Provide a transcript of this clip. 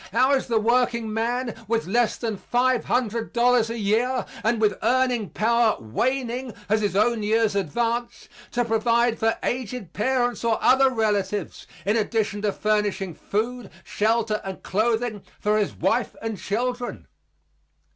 How is the workingman with less than five hundred dollars a year, and with earning power waning as his own years advance, to provide for aged parents or other relatives in addition to furnishing food, shelter and clothing for his wife and children?